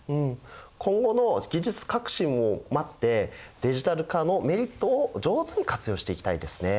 今後の技術革新を待ってディジタル化のメリットを上手に活用していきたいですね。